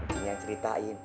cing yang ceritain